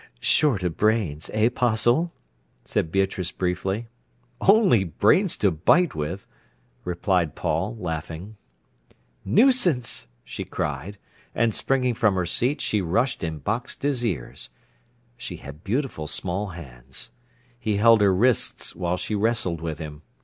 "Short of brains, eh, 'Postle?" said Beatrice briefly. "Only brains to bite with," replied Paul, laughing. "Nuisance!" she cried; and, springing from her seat, she rushed and boxed his ears. She had beautiful small hands. He held her wrists while she wrestled with him.